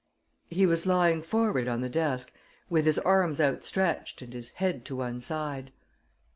"He was lying forward on the desk, with his arms outstretched and his head to one side."